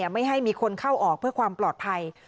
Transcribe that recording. ไม่ให้มีคนเข้าออกเพื่อความปลอดภัย